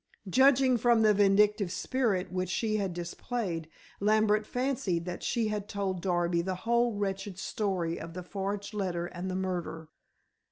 Judging from the vindictive spirit which she had displayed, Lambert fancied that she had told Darby the whole wretched story of the forged letter and the murder.